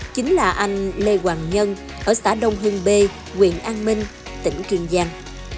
chính là anh lê hoàng nhân ở xã đông hương b quyền an minh tỉnh kiên giang